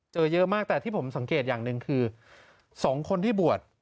เจอเยอะมากแต่ที่ผมสังเกตอย่างหนึ่งคือ๒คนที่บวช